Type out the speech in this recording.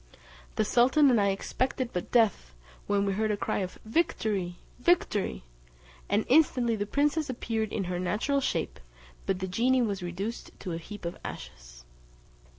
The sultan and I expected but death, when we heard a cry of "Victory! Victory!" and instantly the princess appeared in her natural shape, but the genie was reduced to a heap of ashes.